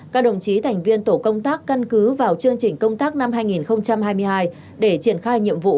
các đồng chí thành viên tổ công tác căn cứ vào chương trình công tác năm hai nghìn hai mươi hai để triển khai nhiệm vụ